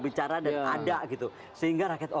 bicara dan ada gitu sehingga rakyat